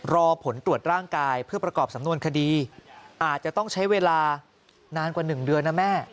รอผลตรวจร่างกายเพื่อประกอบสำนวนคดีอาจจะต้องใช้เวลานานกว่า๑เดือนนะแม่